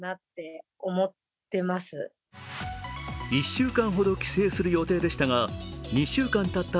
１週間ほど帰省する予定でしたが２週間たった